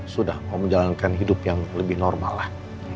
sudah mau menjalankan hidup yang lebih normal lah